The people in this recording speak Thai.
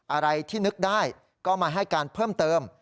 อะไรที่นึกได้ก็มาให้การเพิ่มเติม